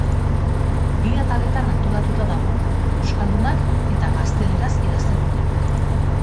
Bi ataletan antolatuta dago, euskaldunak eta gazteleraz idazten dutenak.